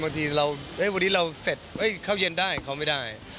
บางทีวันนี้เราเสร็จเข้าเย็นได้เขาไม่ได้